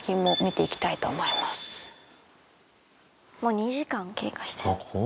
２時間経過してる。